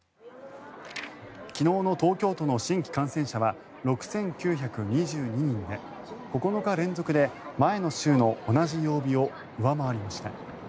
昨日の東京都の新規感染者は６９２２人で９日連続で前の週の同じ曜日を上回りました。